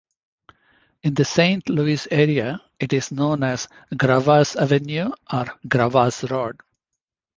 In the Saint Louis area, it is known as Gravois Avenue or Gravois Road.